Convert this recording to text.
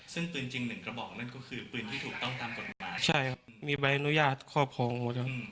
ซึ่งปืนจริงหนึ่งกระบอกนั่นก็คือปืนที่ถูกต้องตามกฎหมายใช่ครับมีใบอนุญาตครอบครองงูทั้ง